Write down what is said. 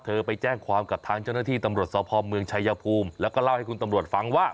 ไปแจ้งความกับทางเจ้าหน้าที่ตำรวจสพเมืองชายภูมิแล้วก็เล่าให้คุณตำรวจฟังว่า